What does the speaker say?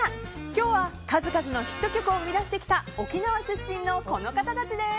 今日は数々のヒット曲を生み出してきた沖縄出身のこの方たちです。